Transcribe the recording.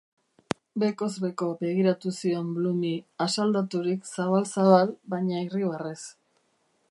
Bekoz beko begiratu zion Bloomi, asaldaturik zabal-zabal, baina irribarrez.